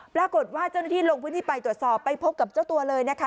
ปรากฏว่าเจ้าหน้าที่ลงพื้นที่ไปตรวจสอบไปพบกับเจ้าตัวเลยนะคะ